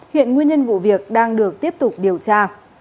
hiện nguyên nhân vụ việc đang được tiếp tục điều tra